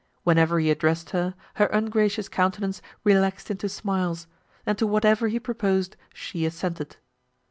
Whenever he addressed her, her ungracious countenance relaxed into smiles, and to whatever he proposed she assented.